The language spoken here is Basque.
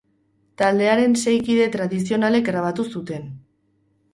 Taldearen sei kide tradizionalek grabatu zuten.